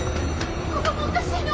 ここもおかしいの！